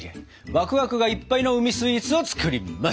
ワクワクがいっぱいの海スイーツを作ります！